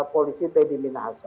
polisi teddy minahasa